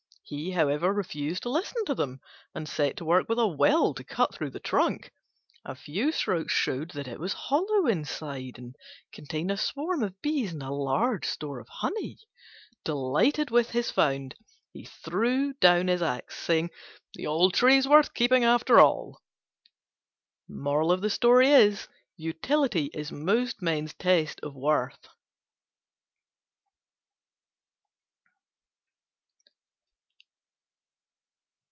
He, however, refused to listen to them, and set to work with a will to cut through the trunk. A few strokes showed that it was hollow inside and contained a swarm of bees and a large store of honey. Delighted with his find he threw down his axe, saying, "The old tree is worth keeping after all." Utility is most men's test of worth.